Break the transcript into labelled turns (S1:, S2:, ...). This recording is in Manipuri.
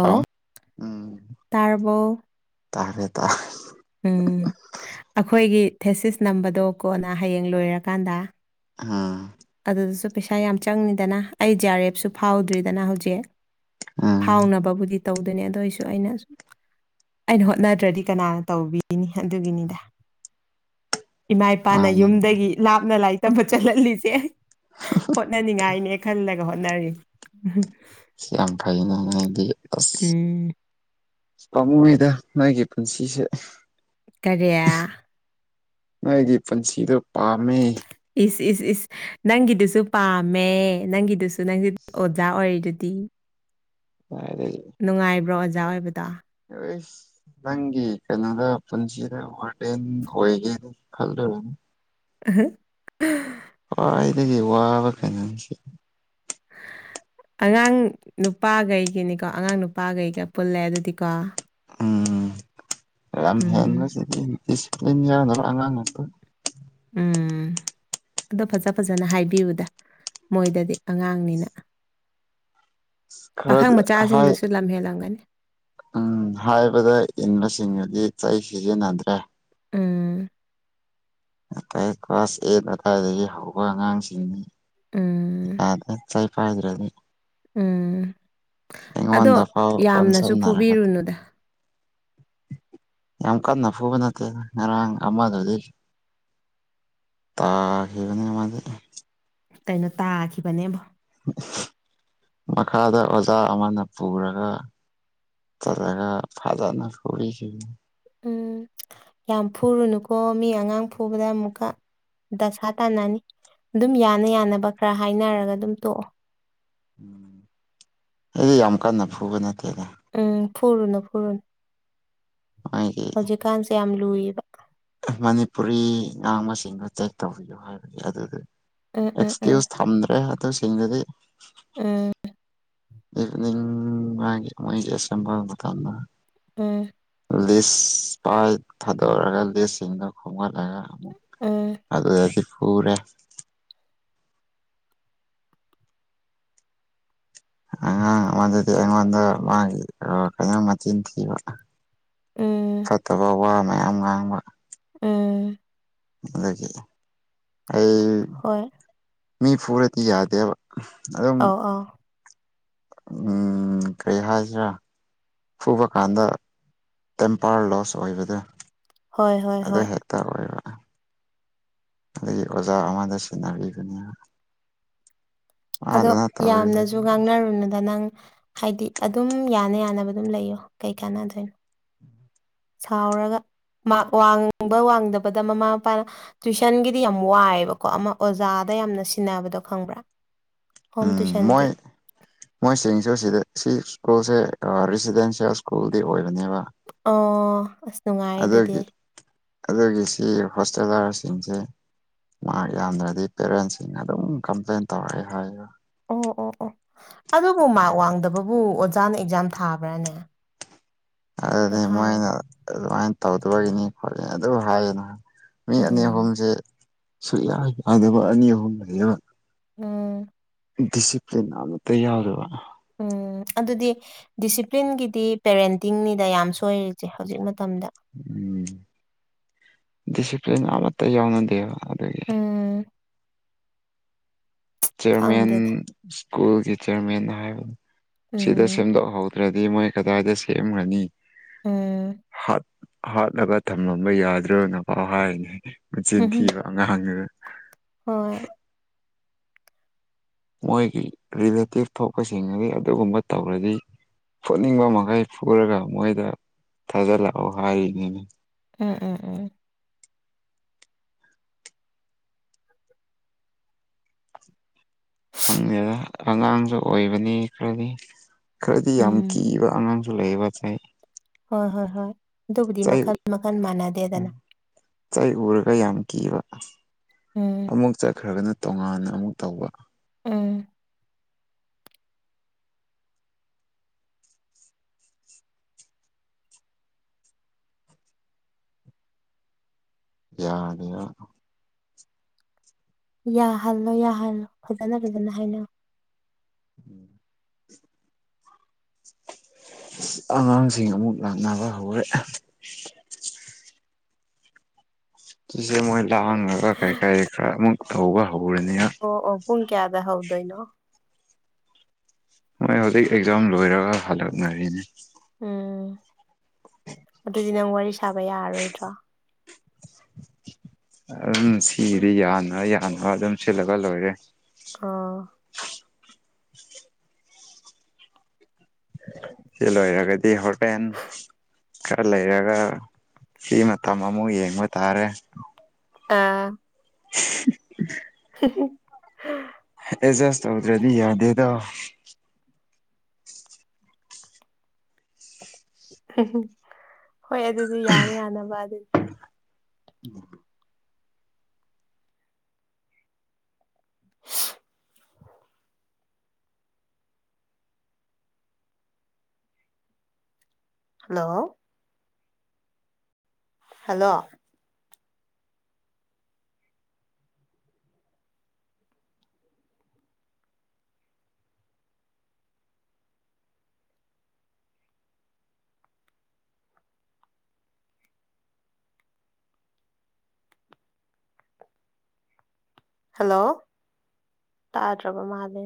S1: ꯍꯥꯎ ꯎꯝ
S2: ꯇꯥꯔꯕꯣ
S1: ꯇꯥꯔꯦ ꯇꯥꯔꯦ
S2: ꯎꯝ ꯑꯩꯈꯣꯏꯒꯤ ꯊꯦꯁꯤꯁ ꯅꯝꯕꯗꯣ ꯀꯣꯟꯅ ꯍꯌꯦꯡ ꯂꯣꯏꯔꯀꯥꯟꯗ
S1: ꯍꯥꯥ
S2: ꯑꯗꯨꯗꯁꯨ ꯄꯩꯁꯥ ꯌꯥꯝ ꯆꯪꯅꯤꯗꯅ ꯑꯩ ꯖꯤ ꯑꯥꯔ ꯑꯦꯐꯁꯨ ꯐꯥꯎꯗ꯭ꯔꯤꯗꯅ ꯍꯧꯖꯤꯛ
S1: ꯎꯝ
S2: ꯐꯥꯎꯅꯕꯕꯨꯗꯤ ꯇꯧꯗꯣꯏꯅꯦ ꯑꯗꯨ ꯑꯩꯁꯨ ꯑꯩꯅ ꯑꯁꯨꯝ ꯑꯩꯅ ꯍꯣꯠꯅꯗ꯭ꯔꯗꯤ ꯀꯅꯥꯅ ꯇꯧꯕꯤꯅꯤ ꯑꯗꯨꯒꯤꯅꯤꯗ ꯏꯃꯥ ꯏꯄꯥꯅ
S1: ꯃꯥꯅꯤ
S2: ꯌꯨꯝꯗꯒꯤ ꯂꯥꯞꯅ ꯂꯥꯏꯔꯤꯛ ꯇꯝꯕ ꯆꯠꯍꯜꯂꯤꯁꯦ ꯍꯣꯠꯅꯅꯤꯡꯉꯥꯏꯅꯦ ꯈꯜꯂꯒ ꯍꯣꯠꯅꯔꯤ
S1: ꯌꯥꯝ ꯐꯩꯅꯦ ꯅꯣꯏꯗꯤ ꯑꯁ
S2: ꯎꯝ
S1: ꯄꯥꯝꯃꯨꯏꯗ ꯅꯣꯏꯒꯤ ꯄꯨꯟꯁꯤꯁꯦ
S2: ꯀꯔꯤ
S1: ꯅꯣꯏꯒꯤ ꯄꯨꯟꯁꯤꯗꯣ ꯄꯥꯝꯃꯦ
S2: ꯏꯁ ꯏꯁ ꯏꯁ ꯅꯪꯒꯤꯗꯨꯁꯨ ꯄꯥꯝꯃꯦ ꯅꯪꯒꯤꯗꯨꯁꯨ ꯅꯪꯁ ꯑꯣꯖꯥ ꯑꯣꯏꯔꯤꯗꯨꯗꯤ [inaudible]
S1: [unintelligible]
S2: ꯅꯨꯡꯉꯥꯏꯕ꯭ꯔꯣ ꯑꯣꯖꯥ ꯑꯣꯏꯕꯗꯣ
S1: ꯏꯁ ꯅꯪꯒꯤ ꯀꯩꯅꯣꯗ ꯄꯨꯟꯁꯤꯗ ꯋꯥꯔꯗꯦꯟ ꯑꯣꯏꯒꯦꯅ ꯈꯜꯂꯨꯔꯅꯨꯗ
S2: ꯑꯍ [unintelligible]
S1: ꯈ꯭ꯋꯥꯏꯗꯒꯤ ꯋꯥꯕ ꯈꯩꯅꯁꯤ
S2: ꯑꯉꯥꯡ ꯅꯨꯄꯥꯈꯩꯒꯤꯅꯤꯀꯣ ꯑꯉꯥꯡ ꯅꯨꯄꯥꯈꯩꯒ ꯄꯨꯜꯂꯦ ꯑꯗꯨꯗꯤꯀꯣ
S1: ꯎꯝ ꯌꯥꯝ
S2: ꯎꯝ
S1: ꯍꯦꯟꯕꯁꯤꯗꯤ ꯗꯤꯁꯤꯄ꯭ꯂꯤꯟ ꯌꯥꯅꯕ ꯑꯉꯥꯡ ꯉꯥꯛꯇꯥ
S2: ꯎꯝ ꯑꯗꯣ ꯐꯖ ꯐꯖꯅ ꯍꯥꯏꯕꯤꯌꯨꯗ ꯃꯣꯏꯗꯗꯤ ꯑꯉꯥꯡꯅꯤꯅ
S1: ꯈꯔ
S2: ꯄꯥꯈꯪ
S1: ꯍꯥꯏ
S2: ꯃꯆꯥꯁꯤꯡꯗꯨꯁꯨ ꯂꯝ ꯍꯦꯜꯂꯝꯒꯅꯤ
S1: ꯎꯝ ꯍꯥꯏꯕꯗ ꯏꯟꯕꯁꯤꯡꯅꯗꯤ ꯆꯩ ꯁꯤꯖꯤꯟꯅꯗ꯭ꯔꯦ
S2: ꯎꯝ
S1: ꯑꯗꯩ ꯀ꯭ꯂꯥꯁ ꯑꯦꯠ ꯑꯗꯨꯋꯥꯏꯗꯒꯤ ꯍꯧꯕ ꯑꯉꯥꯡꯁꯤꯡꯅꯤ
S2: ꯎꯝ
S1: [unintelligible]
S2: ꯎꯝ ꯑꯗꯣ
S1: ꯑꯩꯉꯣꯟꯗꯐꯥꯎ
S2: ꯌꯥꯝꯅꯁꯨ
S1: ꯑꯣꯟꯁꯟꯅꯔꯒ
S2: ꯐꯨꯕꯤꯔꯨꯅꯨꯗ
S1: ꯌꯥꯝ ꯀꯥꯟꯅ ꯐꯨꯕ ꯅꯠꯇꯦ ꯉꯔꯥꯡ ꯑꯃꯗꯨꯗꯤ [unintelligible]
S2: ꯀꯩꯅꯣ ꯇꯥꯈꯤꯕꯅꯦꯕꯣ
S1: ꯃꯈꯥꯗ ꯑꯣꯖꯥ ꯑꯃꯅ ꯄꯨꯔꯒ [unintelligible]
S2: ꯎꯝ ꯌꯥꯝ ꯐꯨꯔꯨꯅꯨꯀꯣ ꯃꯤ ꯑꯉꯥꯡ ꯐꯨꯕꯗ ꯑꯃꯨꯛꯀ ꯗꯁꯥ ꯇꯥꯅꯅꯤ ꯑꯗꯨꯝ ꯌꯥꯅ ꯌꯥꯅꯕ ꯈꯔ ꯍꯥꯏꯅꯔꯒ ꯑꯗꯨꯝ ꯇꯣꯛꯑꯣ
S1: ꯎꯝ ꯑꯩꯗꯤ ꯌꯥꯝ ꯀꯟꯅ ꯐꯨꯕ ꯅꯠꯇꯦꯗ
S2: ꯎꯝ ꯐꯔꯨꯅ ꯐꯔꯨꯅ
S1: ꯑꯩꯒꯤ
S2: ꯍꯧꯖꯤꯛꯀꯥꯟꯁꯦ ꯌꯥꯝ ꯂꯨꯏꯌꯦꯕ
S1: ꯃꯅꯤꯄꯨꯔꯤ ꯉꯥꯡꯕꯁꯤꯡꯗꯨꯣ ꯇꯦꯛ ꯇꯧꯕꯤꯌꯨ ꯍꯥꯏꯕꯒꯤ ꯑꯗꯨꯗꯤ
S2: ꯎꯝ ꯎꯝ ꯎꯝ
S1: ꯑꯦꯛꯁꯀ꯭ꯌꯨꯁ ꯊꯝꯗ꯭ꯔꯦ ꯑꯗꯨꯁꯤꯡꯗꯨꯗꯤ
S2: ꯎꯝ
S1: ꯏꯚꯅꯤꯡ ꯃꯥꯒꯤ ꯑꯦꯖꯤꯑꯦꯁ ꯕꯜ ꯃꯇꯝꯅꯥ
S2: ꯎꯝ
S1: ꯂꯤꯁ ꯄꯥꯏ ꯊꯥꯗꯣꯛꯔꯒ ꯂꯤꯁꯁꯤꯡꯗꯨ ꯍꯣꯝꯒꯠꯂꯒ ꯑꯃꯨꯛ
S2: ꯎꯝ
S1: ꯑꯗꯨꯗꯗꯤ ꯐꯨꯔꯦ ꯑꯉꯥꯡ ꯑꯃꯗꯗꯤ ꯑꯩꯉꯣꯟꯗ ꯃꯥꯒꯤ ꯀꯩꯅꯣ ꯃꯆꯤꯟ ꯊꯤꯕ
S2: ꯎꯝ
S1: ꯐꯠꯇꯕ ꯋꯥ ꯃꯌꯥꯝ ꯉꯥꯡꯕ
S2: ꯎꯝ
S1: ꯑꯗꯒꯤ ꯑꯩ
S2: ꯍꯣꯏ
S1: ꯃꯤ ꯐꯨꯔꯗꯤ ꯌꯥꯗꯦꯕ ꯑꯗꯨꯝ
S2: ꯑꯧ ꯑꯧ
S1: ꯎꯝ ꯀꯔꯤ ꯍꯥꯏꯁꯤꯔꯥ ꯐꯨꯕ ꯀꯥꯟꯗ ꯇꯦꯝꯄꯥꯔ ꯂꯣꯁ ꯑꯣꯏꯕꯗꯣ
S2: ꯍꯣꯏ ꯍꯣꯏ
S1: ꯑꯗꯨ
S2: ꯍꯣꯏ
S1: ꯍꯦꯛ ꯇꯧꯏꯕꯥ ꯑꯩꯒꯤ ꯑꯣꯖꯥ ꯑꯃꯗ ꯁꯤꯟꯅꯕꯤꯅꯦꯕ
S2: ꯑꯗꯣ ꯌꯥꯝꯅꯁꯨ
S1: ꯇꯧꯔꯤꯗꯨꯗꯤ
S2: ꯉꯥꯡꯅꯔꯨꯅꯨꯗ ꯅꯪ ꯍꯥꯏꯗꯤ ꯑꯗꯨꯝ ꯌꯥꯅ ꯌꯥꯅꯕ ꯑꯗꯨꯝ ꯂꯩꯌꯣ ꯀꯩ ꯀꯥꯟꯅꯗꯣꯏꯅꯣ
S1: [inaudible]
S2: ꯁꯥꯎꯔꯒ ꯃꯥꯛ ꯋꯥꯡꯕ ꯋꯥꯡꯗꯕꯗ ꯃꯃꯥ ꯃꯄꯥꯅ ꯇꯨꯋꯏꯁꯟꯒꯤꯗꯤ ꯌꯥꯝ ꯋꯥꯏꯑꯕꯀꯣ ꯑꯃ ꯑꯣꯖꯥꯗ ꯌꯥꯝꯅ ꯁꯤꯟꯅꯕꯗꯣ ꯈꯪꯕ꯭ꯔꯥ ꯍꯣꯝ
S1: ꯎꯝ
S2: ꯇꯨꯏꯁꯟꯗꯤ
S1: ꯃꯣꯏ ꯃꯣꯏꯁꯤꯡꯁꯨ ꯁꯤꯗ ꯁꯤ ꯁ꯭ꯀꯨꯜꯁꯦ ꯔꯤꯁꯤꯗꯦꯟꯁꯤꯌꯦꯜ ꯁ꯭ꯀꯨꯜꯗꯤ ꯑꯣꯏꯕꯅꯦꯕ
S2: ꯑꯣ ꯑꯁ ꯅꯨꯡꯉꯥꯏ ꯑꯗꯨꯗꯤ
S1: ꯑꯗꯨꯒꯤ ꯑꯗꯨꯒꯤ ꯁꯤ ꯍꯣꯁꯇꯦꯂꯥꯔꯁꯤꯡꯁꯦ ꯃꯥ ꯌꯥꯝꯗ꯭ꯔꯗꯤ ꯄꯦꯔꯦꯟꯁꯤꯡꯅ ꯑꯗꯨꯝ ꯀꯝꯄ꯭ꯂꯦꯟ ꯇꯧꯔꯛꯑꯦ ꯍꯥꯏꯌꯦ
S2: ꯑꯣ ꯑꯣ ꯑꯣ ꯑꯗꯨꯕꯨ ꯃꯥꯔꯛ ꯋꯥꯡꯗꯕꯕꯨ ꯑꯣꯖꯥꯅ ꯑꯦꯛꯖꯥꯝ ꯊꯥꯕ꯭ꯔꯥꯅꯦ ꯑꯗꯣ
S1: ꯑꯗꯨꯗꯤ
S2: ꯍꯥꯏꯌꯨ
S1: ꯃꯣꯏꯅ ꯑꯗꯨꯃꯥꯏꯅ ꯇꯧꯗꯕꯒꯤꯅꯤ ꯈꯣꯠꯂꯤꯅꯤ ꯑꯗꯨ ꯍꯥꯏꯌꯦꯅ ꯃꯤ ꯑꯅꯤ
S2: ꯎꯝ
S1: ꯑꯍꯨꯝꯁꯦ ꯁꯨꯛꯌꯥ ꯌꯥꯗꯕ ꯑꯅꯤ ꯑꯍꯨꯝ ꯂꯩꯕ
S2: ꯎꯝ
S1: ꯗꯤꯁꯤꯄ꯭ꯂꯤꯟ ꯑꯃꯇ ꯌꯥꯎꯗꯕ
S2: ꯎꯝ ꯑꯗꯨꯗꯤ ꯗꯤꯁꯤꯄ꯭ꯂꯤꯟꯒꯤꯗꯤ ꯄꯦꯔꯦꯟꯇꯤꯡꯅꯤꯗ ꯌꯥꯝꯅ ꯁꯣꯏꯔꯤꯁꯦ ꯍꯧꯖꯤꯛ ꯃꯇꯝꯗ
S1: ꯎꯝ ꯗꯤꯁꯤꯄ꯭ꯂꯤꯟ ꯑꯃꯠꯇ ꯌꯥꯎꯅꯗꯦꯕ ꯑꯗꯨꯒꯤ
S2: ꯎꯝ
S1: ꯆꯤꯌꯔꯃꯦꯟ
S2: ꯈꯪꯗꯦꯗ
S1: ꯁ꯭ꯀꯨꯜꯒꯤ ꯆꯤꯌꯔꯃꯦꯟ ꯍꯥꯏꯕꯅꯤ ꯁꯤꯗ
S2: ꯎꯝ
S1: ꯁꯦꯝꯗꯣꯛꯍꯧꯗ꯭ꯔꯗꯤ ꯃꯣꯏ ꯀꯗꯥꯏꯗ ꯁꯦꯝꯒꯔꯅꯤ
S2: ꯎꯝ
S1: ꯍꯥ ꯍꯥꯠꯂꯒ ꯊꯝꯂꯝꯕ ꯌꯥꯗ꯭ꯔꯣ ꯅꯄꯥ ꯍꯥꯏꯅꯤ ꯃꯆꯤꯟ
S2: ꯍꯝꯍꯝ
S1: ꯊꯤꯕ ꯑꯉꯥꯡꯅꯤꯗ ꯫
S2: ꯍꯣꯏ
S1: ꯃꯣꯏꯒꯤ ꯔꯤꯂꯦꯇꯤꯞ ꯊꯣꯛꯄꯁꯤꯡꯅꯗꯤ ꯑꯗꯨꯒꯨꯝꯕ ꯇꯧꯔꯗꯤ ꯐꯨꯠꯅꯤꯡꯕ ꯃꯈꯩ ꯐꯨꯔꯒ ꯃꯣꯏꯗ ꯊꯥꯖꯤꯜꯂꯛꯎ ꯍꯥꯏꯔꯤꯅꯤꯅꯦ
S2: ꯎꯝ ꯎꯝ ꯎꯝ
S1: ꯈꯪꯗꯦꯗ ꯑꯉꯥꯡꯁꯨ ꯑꯣꯏꯕꯅꯤ ꯈꯔꯗꯤ ꯈꯔꯗꯤ ꯌꯥꯝ
S2: ꯎꯝ
S1: ꯀꯤꯕ ꯑꯉꯥꯡꯁꯨ ꯂꯩꯕ ꯇꯥꯏ
S2: ꯍꯣꯏ ꯍꯣꯏ ꯍꯣꯏ ꯑꯗꯨꯕꯨꯗꯤ
S1: ꯆꯩ
S2: ꯃꯈꯟ ꯃꯈꯜ ꯃꯥꯟꯅꯗꯦꯗꯅ
S1: ꯆꯩ ꯎꯔꯒ ꯌꯥꯝ ꯀꯤꯕ
S2: ꯎꯝ
S1: ꯑꯃꯨꯛ ꯆꯠꯈ꯭ꯔꯒꯅ ꯇꯣꯉꯥꯟꯅ ꯑꯃꯨꯛ ꯇꯧꯕ
S2: ꯎꯝ
S1: ꯌꯥꯅꯤ ꯌꯥ
S2: ꯌꯥꯍꯜꯂꯣ ꯌꯥꯍꯜꯂꯣ ꯐꯖꯅ ꯐꯖꯅ ꯍꯥꯏꯅꯧ ꯫
S1: ꯎꯝ ꯑꯉꯥꯡꯁꯤꯡ ꯑꯃꯨꯛ ꯂꯥꯛꯅꯕ ꯍꯧꯔꯦ ꯁꯤꯁꯦ ꯃꯣꯏ ꯂꯥꯡꯉꯒ ꯀꯔꯤ ꯀꯔꯤ ꯈꯔ ꯑꯃꯨꯛ ꯇꯧꯕ ꯍꯧꯔꯅꯤꯅ
S2: ꯑꯣ ꯑꯣ ꯄꯨꯡ ꯀꯌꯥꯗ ꯍꯧꯗꯣꯏꯅꯣ
S1: ꯃꯣꯏ ꯍꯧꯖꯤꯛ ꯑꯦꯛꯖꯥꯝ ꯂꯣꯏꯔꯒ ꯍꯜꯂꯛꯅꯔꯤꯅꯤ
S2: ꯎꯝ ꯑꯗꯨꯗꯤ ꯅꯪ ꯋꯥꯔꯤ ꯁꯥꯕ ꯌꯥꯔꯔꯣꯏꯗ꯭ꯔꯣ
S1: ꯑꯗꯨꯝ ꯁꯤꯗꯤ ꯌꯥꯅꯔ ꯌꯥꯅꯕꯔ ꯑꯗꯨꯝ ꯁꯤꯜꯂꯒ ꯂꯣꯏꯔꯦ
S2: ꯑꯥ
S1: ꯆꯂꯣꯔꯒꯗꯤ ꯍꯇꯦꯟ ꯈꯔ ꯂꯩꯔꯒ ꯐꯤ ꯃꯇꯝ ꯑꯃꯨꯛ ꯌꯦꯡꯕ ꯇꯥꯔꯦ
S2: ꯑꯥ
S1: [unintelligible]
S2: [unintelligible]
S1: ꯑꯦꯗꯖꯁ ꯇꯧꯗ꯭ꯔꯗꯤ ꯌꯥꯗꯦꯗ
S2: ꯍꯍꯝ ꯍꯣꯏ ꯑꯗꯨꯗꯤ ꯌꯥꯅꯤ ꯌꯥꯅꯕ ꯑꯗꯨꯟ
S1: ꯎꯝ
S2: ꯍꯜꯂꯣ ꯍꯜꯂꯣ ꯍꯜꯂꯣ ꯇꯥꯗ꯭ꯔꯕ ꯃꯥꯂ